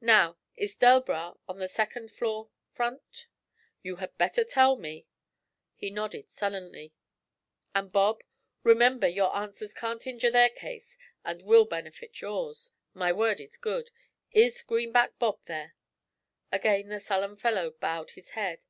Now, is Delbras on the second floor front? You had better tell me!' He nodded sullenly. 'And Bob? Remember, your answers can't injure their case and will benefit yours. My word is good. Is Greenback Bob there?' Again the sullen fellow bowed his head.